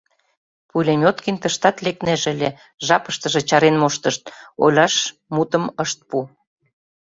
Пулеметкин тыштат лекнеже ыле, жапыштыже чарен моштышт: ойлаш мутым ышт пу.